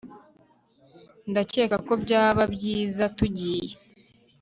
ndakeka ko byaba byiza tugiye